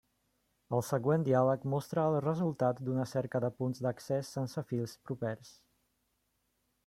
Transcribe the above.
El següent diàleg mostra el resultat d'una cerca de punts d'accés sense fils propers.